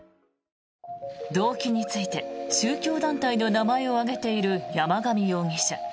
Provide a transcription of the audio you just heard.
動機について宗教団体の名前を挙げている山上容疑者。